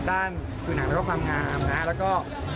ด้านคือหนังแล้วก็ความงามนะครับแล้วก็